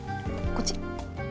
こっち？